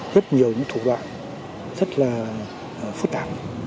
rất nhiều những thủ đoạn rất là phức tạp